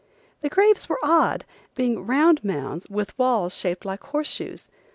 The graves were odd, being round mounds with walls shaped like horse shoes.